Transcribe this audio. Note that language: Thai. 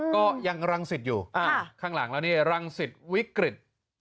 ก็ยังรังสิทธิ์อยู่ค่ะข้างหลังแล้วเนี้ยรังสิทธิ์วิกฤต